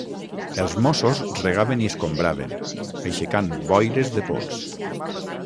Els mossos regaven i escombraven, aixecant boires de pols.